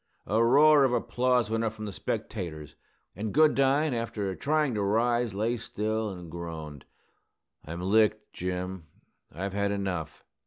A roar of applause went up from the spectators; and Goodine, after trying to rise, lay still and groaned, "I'm licked, Jim. I've had enough."